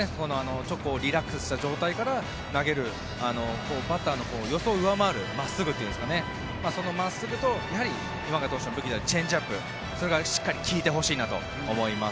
ちょっとリラックスした状態から投げるバッターの予想を上回る真っすぐというんですかその真っすぐと今永投手の武器であるチェンジアップそれがしっかり効いてほしいなと思います。